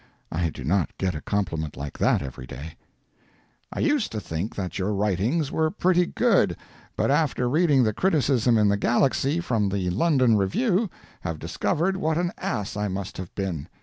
[I do not get a compliment like that every day.] I used to think that your writings were pretty good but after reading the criticism in THE GALAXY from the "London Review," have discovered what an ass I must have been.